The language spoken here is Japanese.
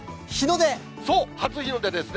そう、初日の出ですね。